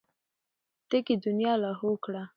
تږې دنيا لاهو کړه.